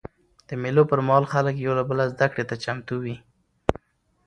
د مېلو پر مهال خلک یو له بله زدهکړې ته چمتو يي.